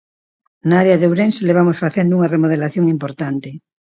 Na área de Ourense levamos facendo unha remodelación importante.